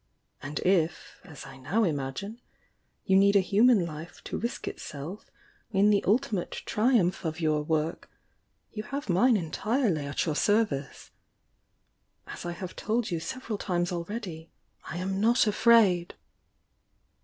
And if. as I now imagine, you need a human life to risk itself in the ultimate triumpii of your work, you have mine entirely at your service. As I have told you several times already. I am not afraid!"